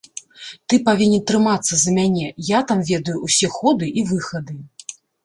Ты павінен трымацца за мяне, я там ведаю ўсе ходы і выхады.